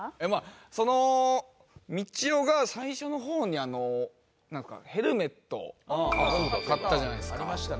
そのみちおが最初の方にヘルメットを買ったじゃないですか。